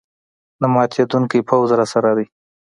نه ماتېدونکی پوځ راسره دی.